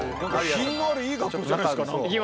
品のあるいい学校じゃないですか。